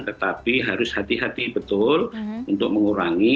tetapi harus hati hati betul untuk mengurangi